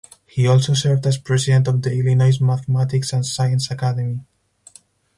He also served as president of the Illinois Mathematics and Science Academy.